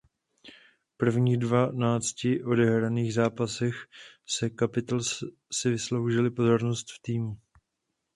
Prvních dvanácti odehraných zápasech za Capitals si vysloužil pozornost v týmu.